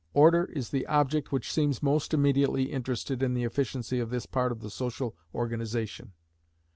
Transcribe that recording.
Order is the object which seems most immediately interested in the efficiency of this part of the social organization.